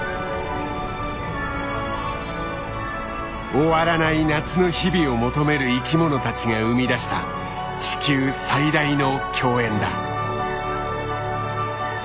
終わらない夏の日々を求める生きものたちが生み出した地球最大の饗宴だ。